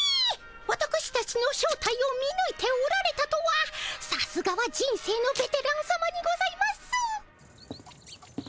わたくしたちの正体を見ぬいておられたとはさすがは人生のベテランさまにございます。